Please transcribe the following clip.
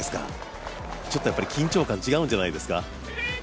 ちょっとやっぱり緊張感違うんじゃないですか。